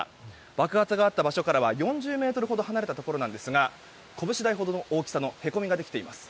爆発があった場所からは４０ｍほど離れたところですがこぶし大ほどの大きさのへこみができています。